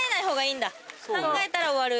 考えたら終わる。